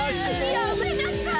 やめなさい！